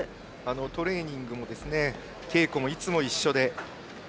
トレーニングも、稽古もいつも一緒で。